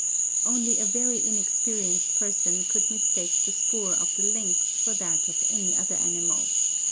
Only a very inexperienced person could mistake the spoor of the lynx for that of any other animal.